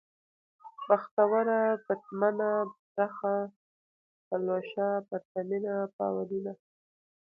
بختوره ، پتمنه ، پرخه ، پلوشه ، پرتمينه ، پاولينه